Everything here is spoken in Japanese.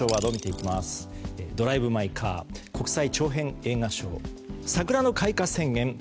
「ドライブ・マイ・カー」国際長編映画賞桜の開花宣言